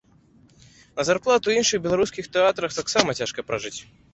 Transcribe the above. На зарплату ў іншых беларускіх тэатрах таксама цяжка пражыць.